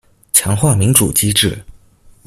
強化民主機制